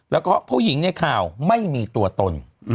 แล้วก็ผู้หญิงในข่าวไม่มีตัวตน